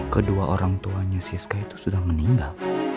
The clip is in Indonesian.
kedua orang tuanya siska itu sudah meninggal